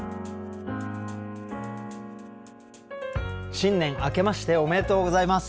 新年あけましておめでとうございます。